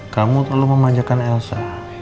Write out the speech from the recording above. kamu terlalu memanjakan elsa